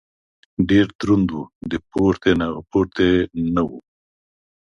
ډېر دروند و . د پورتې نه و.